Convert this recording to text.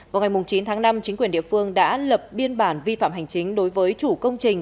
vào ngày chín tháng năm chính quyền địa phương đã lập biên bản vi phạm hành chính đối với chủ công trình